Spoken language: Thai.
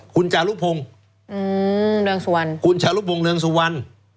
คุณจารุพงศ์เรืองสุวรรณคุณจารุพงศ์เรืองสุวรรณ